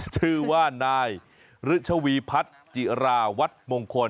ชื่อว่านายฤชวีพัฒน์จิราวัตรมงคล